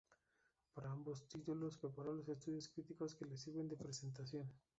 Para ambos títulos preparó los estudios críticos que les sirven de presentación.